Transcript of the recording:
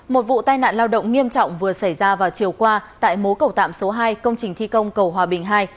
một vụ tai nạn lao động nghiêm trọng vừa xảy ra vào chiều qua tại mố cầu tạm số hai công trình thi công cầu hòa bình ii